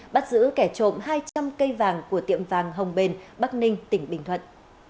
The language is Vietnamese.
bắt giữ kẻ trộm hai trăm linh cây vàng của tiệm vàng hồng bền bắc ninh tỉnh bình thuận